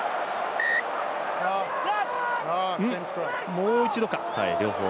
もう一度か。